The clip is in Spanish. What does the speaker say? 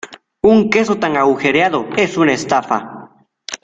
¡Un queso tan agujereado es una estafa!